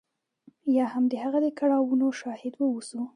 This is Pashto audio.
یا هم د هغه د کړاو شاهد واوسو.